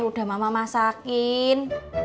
udah mama masakin